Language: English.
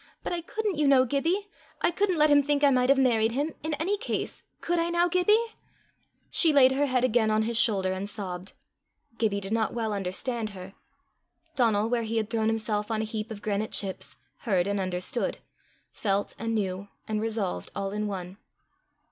but I couldn't, you know, Gibbie. I couldn't let him think I might have married him in any case: could I now, Gibbie?" She laid her head again on his shoulder and sobbed. Gibbie did not well understand her. Donal, where he had thrown himself on a heap of granite chips, heard and understood, felt and knew and resolved all in one.